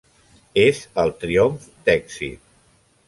És el triomf d'èxit.